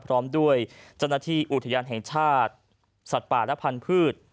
พร้อมด้วยเจ้าหน้าที่อุทยานแห่งชาติสัตว์ป่าและพันธุ์